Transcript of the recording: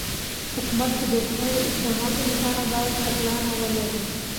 حکومت د بېړنیو اقداماتو لپاره باید تګلاره ولري.